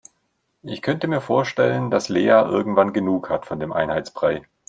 Ich könnte mir vorstellen, dass Lea irgendwann genug hat von dem Einheitsbrei.